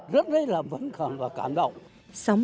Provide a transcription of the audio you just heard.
rất là vấn khẳng và cảm động